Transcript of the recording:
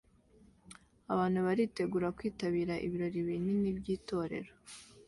Abantu bitegura kwitabira ibirori binini by'itorero